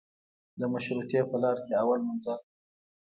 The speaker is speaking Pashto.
د مشروطې په لار کې اول منزل دی.